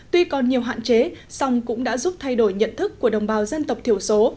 tuy còn nhiều hạn chế song cũng đã giúp thay đổi nhận thức của đồng bào dân tộc thiểu số